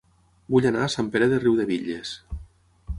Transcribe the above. Vull anar a Sant Pere de Riudebitlles